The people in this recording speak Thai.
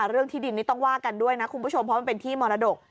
เรื่องที่ดินนี้ต้องว่ากันด้วยนะคุณผู้ชมเพราะมันเป็นที่มรดก